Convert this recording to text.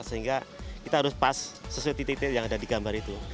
sehingga kita harus pas sesuai titik titik yang ada di gambar itu